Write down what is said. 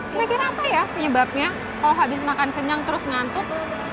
kira kira apa ya penyebabnya kalau habis makan kenyang terus ngantuk